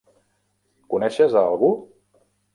Coneixes a algú?